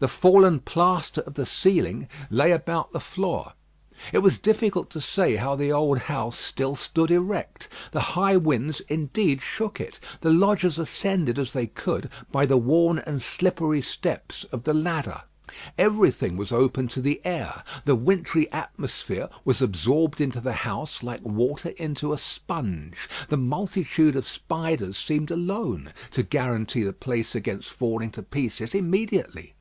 The fallen plaster of the ceiling lay about the floor. It was difficult to say how the old house still stood erect. The high winds indeed shook it. The lodgers ascended as they could by the worn and slippery steps of the ladder. Everything was open to the air. The wintry atmosphere was absorbed into the house, like water into a sponge. The multitude of spiders seemed alone to guarantee the place against falling to pieces immediately.